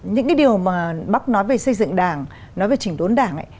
những cái điều mà bác nói về xây dựng đảng nói về chỉnh đốn đảng ấy